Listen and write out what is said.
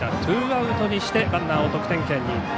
ツーアウトにしてランナーを得点圏に。